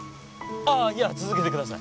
ああいや続けてください。